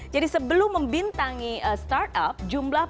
jadi sebelum membintangi start up jumlah penonton